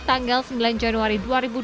tanggal sembilan januari dua ribu dua puluh